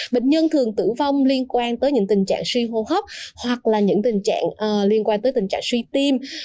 bệnh nhân thường tử vong liên quan tới những tình trạng suy hô hấp hoặc là những tình trạng liên quan tới tình trạng suy tim